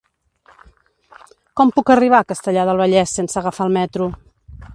Com puc arribar a Castellar del Vallès sense agafar el metro?